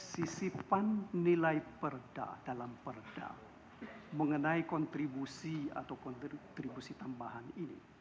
sisipan nilai perda dalam perda mengenai kontribusi atau kontribusi tambahan ini